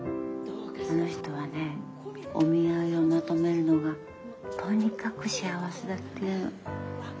あの人はねお見合いをまとめるのがとにかく幸せだっていうの。